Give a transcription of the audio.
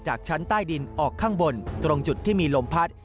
จากชั้นใต้ดินออกข้างบนตรงจุดที่มีลมพัด